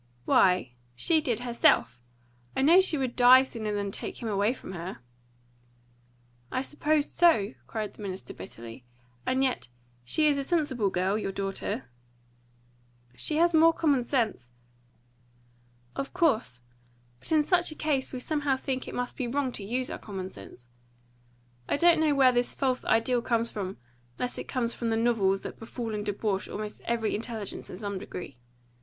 "Why, she did herself. I know she would die sooner than take him away from her." "I supposed so!" cried the minister bitterly. "And yet she is a sensible girl, your daughter?" "She has more common sense " "Of course! But in such a case we somehow think it must be wrong to use our common sense. I don't know where this false ideal comes from, unless it comes from the novels that befool and debauch almost every intelligence in some degree.